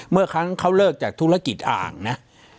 เมื่อครั้งเขาเลิกจากธุรกิจอ่างนะ